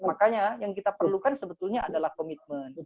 makanya yang kita perlukan sebetulnya adalah komitmen